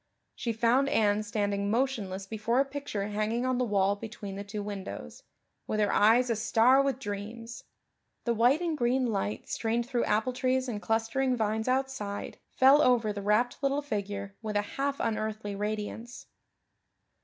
She found Anne standing motionless before a picture hanging on the wall between the two windows, with her eyes a star with dreams. The white and green light strained through apple trees and clustering vines outside fell over the rapt little figure with a half unearthly radiance.